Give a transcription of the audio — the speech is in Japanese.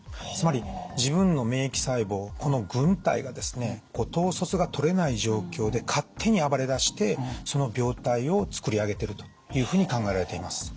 つまり自分の免疫細胞をこの軍隊がですね統率がとれない状況で勝手に暴れだしてその病態をつくり上げてるというふうに考えられています。